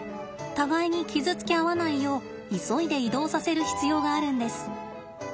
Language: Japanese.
互いに傷つけ合わないよう急いで移動させる必要があるんです。